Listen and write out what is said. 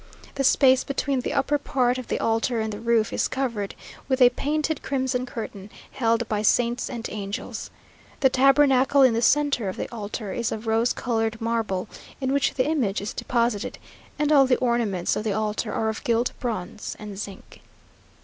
The space between the upper part of the altar and the roof, is covered with a painted crimson curtain, held by saints and angels. The tabernacle in the centre of the altar, is of rose coloured marble, in which the image is deposited, and all the ornaments of the altar are of gilt bronze and zinc.